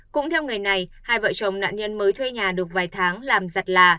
cũng theo người này hai vợ chồng nạn nhân mới thuê nhà được vài tháng làm giặt là